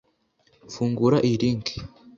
Fungura iyi link